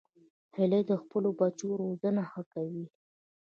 هیلۍ د خپلو بچو روزنه ښه کوي